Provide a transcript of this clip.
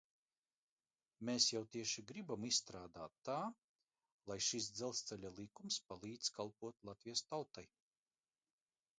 Mēs jau tieši gribam izstrādāt tā, lai šis Dzelzceļa likums palīdz kalpot Latvijas tautai.